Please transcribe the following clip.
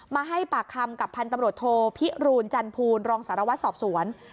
มาให้ปากคำกับพันธุ์ตำรวจโทพิรูลจันทูลรองสารวัตรสอบสวน